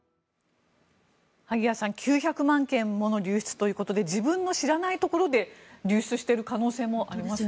萩谷さん９００万件もの流出ということで自分の知らないところで流出している可能性もありますね。